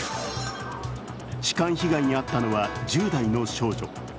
痴漢被害に遭ったのは１０代の少女。